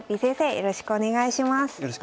よろしくお願いします。